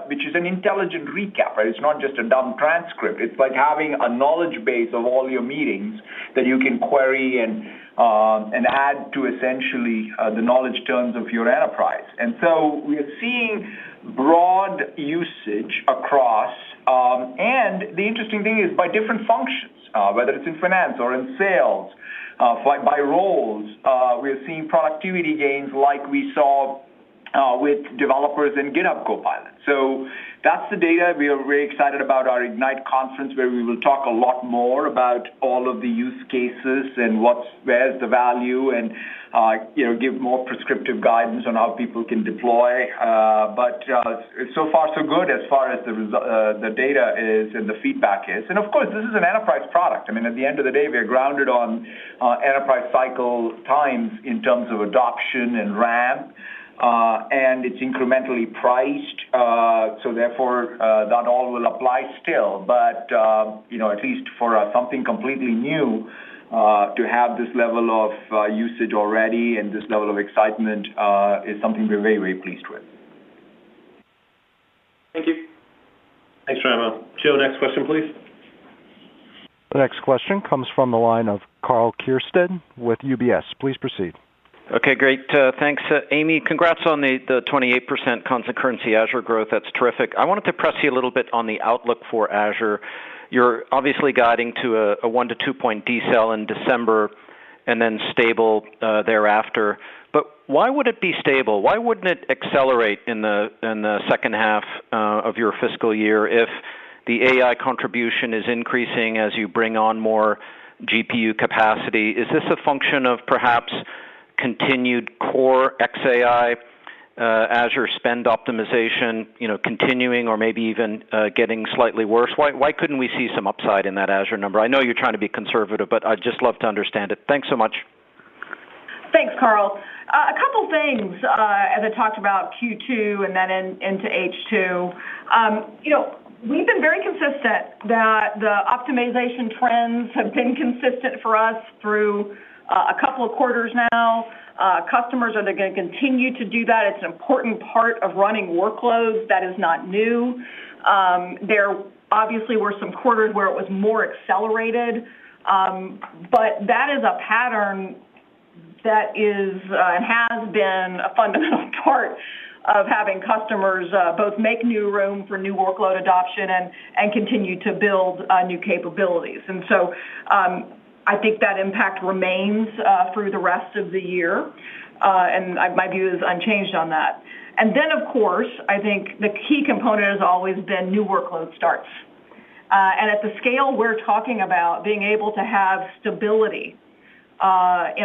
which is an Intelligent Recap, right? It's not just a dumb transcript. It's like having a knowledge base of all your meetings that you can query and, and add to essentially, the knowledge terms of your enterprise. And so we are seeing broad usage across, and the interesting thing is by different functions, whether it's in finance or in sales, by, by roles, we are seeing productivity gains like we saw, with developers in GitHub Copilot. So that's the data. We are very excited about our Ignite conference, where we will talk a lot more about all of the use cases and what's- where's the value, and, you know, give more prescriptive guidance on how people can deploy. But, so far, so good as far as the data is and the feedback is. And of course, this is an enterprise product. I mean, at the end of the day, we are grounded on enterprise cycle times in terms of adoption and ramp, and it's incrementally priced, so therefore that all will apply still. But you know, at least for something completely new, to have this level of usage already and this level of excitement is something we're very, very pleased with. Thank you. Thanks, Raimo. Joe, next question, please. The next question comes from the line of Karl Keirstead with UBS. Please proceed. Okay, great. Thanks. Amy, congrats on the 28% constant currency Azure growth. That's terrific. I wanted to press you a little bit on the outlook for Azure. You're obviously guiding to a 1-2 point decel in December and then stable thereafter. But why would it be stable? Why wouldn't it accelerate in the second half of your fiscal year if the AI contribution is increasing as you bring on more GPU capacity? Is this a function of perhaps continued core ex-AI Azure spend optimization, you know, continuing or maybe even getting slightly worse? Why couldn't we see some upside in that Azure number? I know you're trying to be conservative, but I'd just love to understand it. Thanks so much. Thanks, Karl. A couple things, as I talked about Q2 and then into H2. You know, we've been very consistent that the optimization trends have been consistent for us through a couple of quarters now. Customers are gonna continue to do that. It's an important part of running workloads that is not new. There obviously were some quarters where it was more accelerated, but that is a pattern that is and has been a fundamental part of having customers both make new room for new workload adoption and continue to build new capabilities. And so, I think that impact remains through the rest of the year, and my view is unchanged on that. And then, of course, I think the key component has always been new workload starts. And at the scale we're talking about, being able to have stability in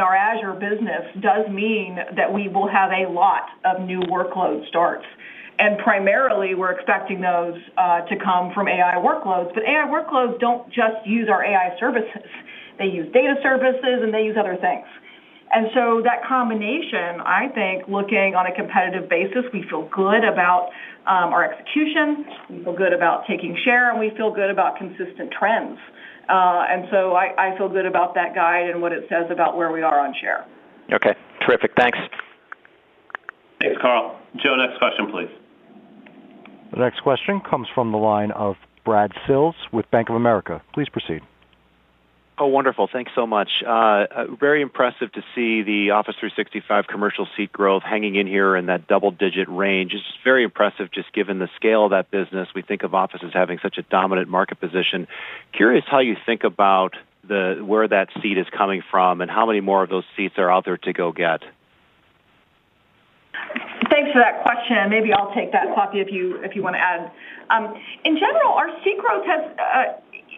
our Azure business does mean that we will have a lot of new workload starts. And primarily, we're expecting those to come from AI workloads, but AI workloads don't just use our AI services. They use data services, and they use other things. And so that combination, I think, looking on a competitive basis, we feel good about our execution, we feel good about taking share, and we feel good about consistent trends. And so I feel good about that guide and what it says about where we are on share. Okay. Terrific. Thanks. Thanks, Karl. Joe, next question, please. The next question comes from the line of Brad Sills with Bank of America. Please proceed. Oh, wonderful. Thanks so much. Very impressive to see the Office 365 commercial seat growth hanging in here in that double-digit range. It's very impressive, just given the scale of that business. We think of Office as having such a dominant market position. Curious how you think about the... where that seat is coming from and how many more of those seats are out there to go get? Thanks for that question, and maybe I'll take that, Satya, if you want to add. In general, our seat growth has.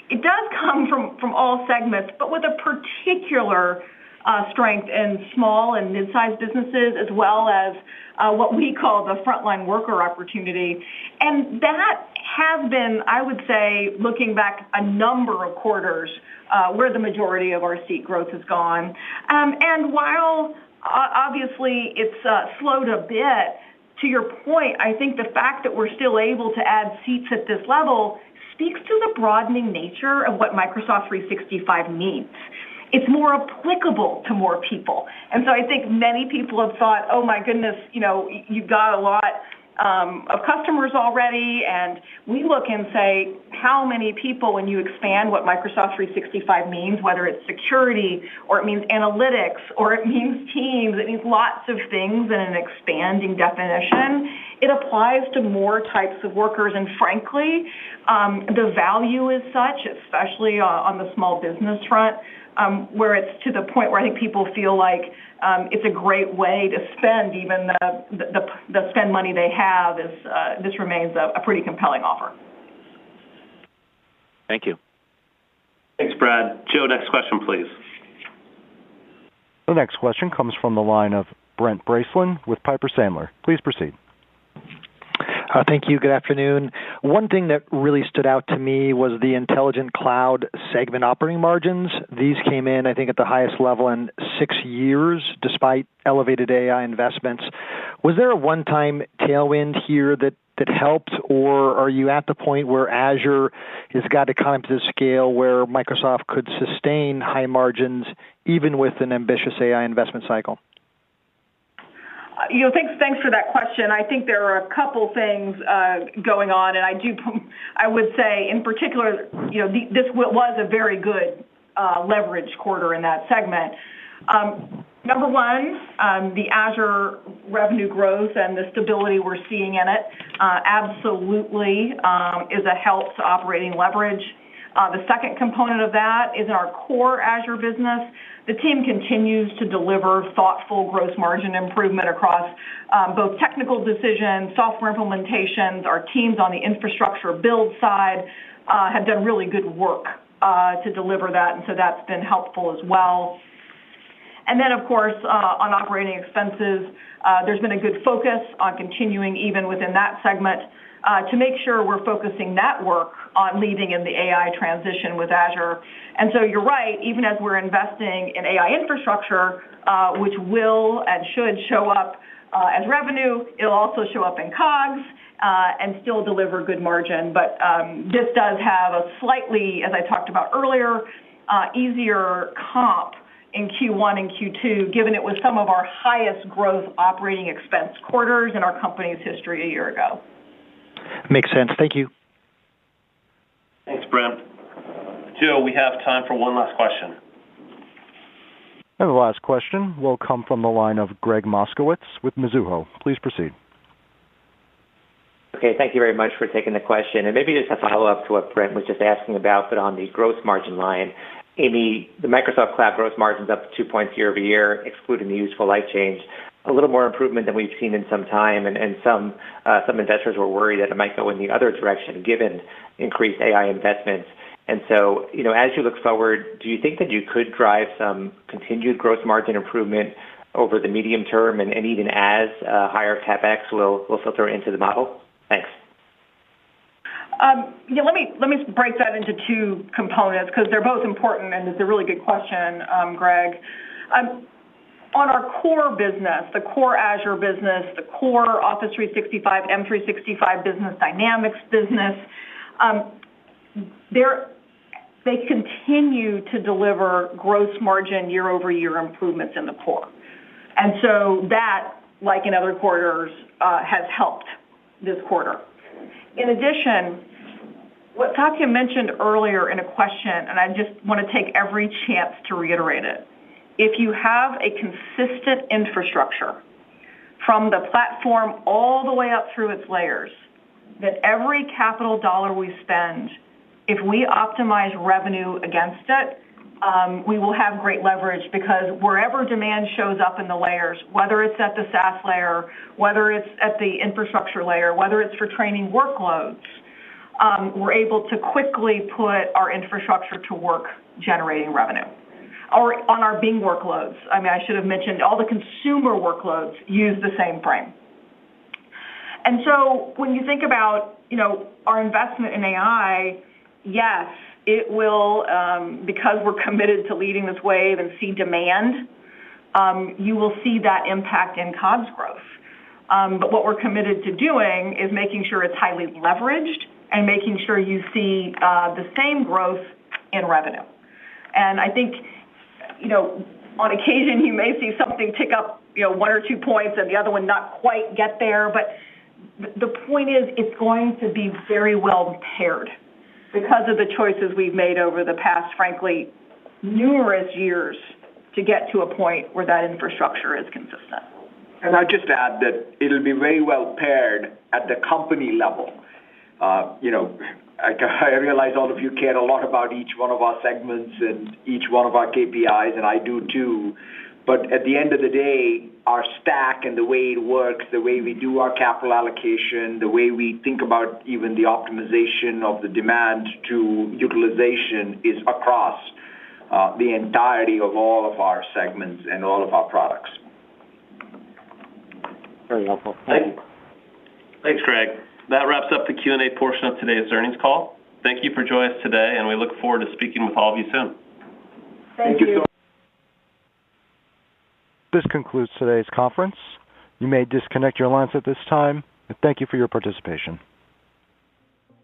It does come from all segments, but with a particular strength in small and mid-sized businesses, as well as what we call the frontline worker opportunity. And that has been, I would say, looking back, a number of quarters where the majority of our seat growth has gone. And while obviously it's slowed a bit, to your point, I think the fact that we're still able to add seats at this level speaks to the broadening nature of what Microsoft 365 means. It's more applicable to more people. So I think many people have thought, "Oh, my goodness, you know, you've got a lot of customers already." We look and say, "How many people, when you expand what Microsoft 365 means, whether it's security, or it means analytics, or it means Teams," it means lots of things in an expanding definition, it applies to more types of workers. Frankly, the value is such, especially on the small business front, where it's to the point where I think people feel like it's a great way to spend even the spend money they have... this remains a pretty compelling offer. Thank you. Thanks, Brad. Joe, next question, please. The next question comes from the line of Brent Bracelin with Piper Sandler. Please proceed. Thank you. Good afternoon. One thing that really stood out to me was the Intelligent Cloud segment operating margins. These came in, I think, at the highest level in six years, despite elevated AI investments. Was there a one-time tailwind here that helped, or are you at the point where Azure has got to come to the scale where Microsoft could sustain high margins, even with an ambitious AI investment cycle? You know, thanks, thanks for that question. I think there are a couple things going on, and I would say, in particular, you know, this was a very good leverage quarter in that segment. Number one, the Azure revenue growth and the stability we're seeing in it absolutely is a help to operating leverage. The second component of that is our core Azure business. The team continues to deliver thoughtful gross margin improvement across both technical decisions, software implementations. Our teams on the infrastructure build side have done really good work to deliver that, and so that's been helpful as well. And then, of course, on operating expenses, there's been a good focus on continuing even within that segment, to make sure we're focusing that work on leading in the AI transition with Azure. And so you're right, even as we're investing in AI infrastructure, which will and should show up, as revenue, it'll also show up in COGS... and still deliver good margin. But, this does have a slightly, as I talked about earlier, easier comp in Q1 and Q2, given it was some of our highest growth operating expense quarters in our company's history a year ago. Makes sense. Thank you. Thanks, Brent. Joe, we have time for one last question. The last question will come from the line of Gregg Moskowitz with Mizuho. Please proceed. Okay, thank you very much for taking the question, and maybe just a follow-up to what Brent was just asking about, but on the gross margin line. Amy, the Microsoft Cloud gross margin is up 2 points year-over-year, excluding the useful life change, a little more improvement than we've seen in some time, and some investors were worried that it might go in the other direction, given increased AI investments. And so, you know, as you look forward, do you think that you could drive some continued gross margin improvement over the medium term and even as higher CapEx will filter into the model? Thanks. Yeah, let me, let me break that into two components because they're both important, and it's a really good question, Gregg. On our core business, the core Azure business, the core Office 365, Microsoft 365 business, Dynamics business, they continue to deliver gross margin year-over-year improvements in the core. And so that, like in other quarters, has helped this quarter. In addition, what Satya mentioned earlier in a question, and I just want to take every chance to reiterate it: if you have a consistent infrastructure from the platform all the way up through its layers, that every capital dollar we spend, if we optimize revenue against it, we will have great leverage because wherever demand shows up in the layers, whether it's at the SaaS layer, whether it's at the infrastructure layer, whether it's for training workloads, we're able to quickly put our infrastructure to work generating revenue or on our Bing workloads. I mean, I should have mentioned all the consumer workloads use the same frame. And so when you think about, you know, our investment in AI, yes, it will, because we're committed to leading this wave and see demand, you will see that impact in COGS growth. But what we're committed to doing is making sure it's highly leveraged and making sure you see the same growth in revenue. I think, you know, on occasion, you may see something tick up, you know, one or two points and the other one not quite get there, but the point is, it's going to be very well paired because of the choices we've made over the past, frankly, numerous years to get to a point where that infrastructure is consistent. I'd just add that it'll be very well paired at the company level. You know, I, I realize all of you care a lot about each one of our segments and each one of our KPIs, and I do, too. But at the end of the day, our stack and the way it works, the way we do our capital allocation, the way we think about even the optimization of the demand to utilization is across the entirety of all of our segments and all of our products. Very helpful. Thank you. Thanks, Gregg. That wraps up the Q&A portion of today's earnings call. Thank you for joining us today, and we look forward to speaking with all of you soon. Thank you. Thank you. This concludes today's conference. You may disconnect your lines at this time, and thank you for your participation.